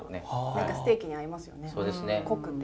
何かステーキに合いますよね濃くて。